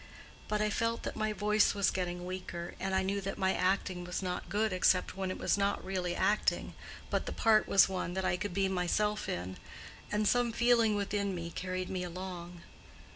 But I felt that my voice was getting weaker, and I knew that my acting was not good except when it was not really acting, but the part was one that I could be myself in, and some feeling within me carried me along.